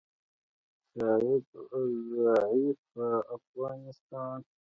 ضعیفه افغانستان